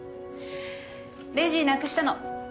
レジなくしたの。